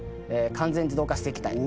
完全自動化していきたい。